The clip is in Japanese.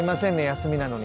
休みなのに。